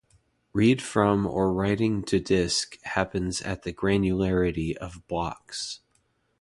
Read from or writing to disk happens at the granularity of blocks.